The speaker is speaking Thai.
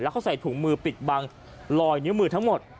เขาใส่ถุงมือปิดบังลอยนิ้วมือทั้งหมด